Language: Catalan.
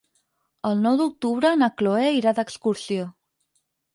El nou d'octubre na Chloé irà d'excursió.